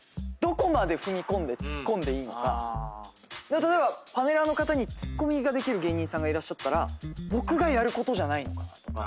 例えばパネラーの方にツッコミができる芸人さんがいらっしゃったら僕がやることじゃないのかなとか。